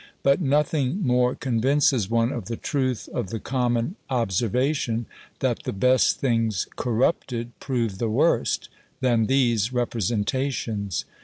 But nothing more convinces one of the truth of the common observation, that the best things, corrupted, prove the worst, than these representations.